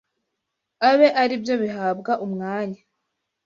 abe ari byo bihabwa umwanya